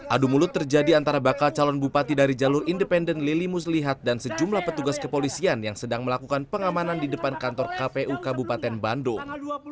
adu mulut terjadi antara bakal calon bupati dari jalur independen lili muslihat dan sejumlah petugas kepolisian yang sedang melakukan pengamanan di depan kantor kpu kabupaten bandung